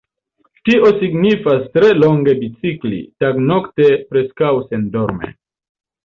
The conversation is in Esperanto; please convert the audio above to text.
Tio signifas tre longe bicikli, tagnokte, preskaŭ sendorme.